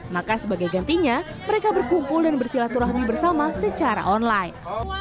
maka sebagai gantinya mereka berkumpul dan bersilaturahmi bersama secara online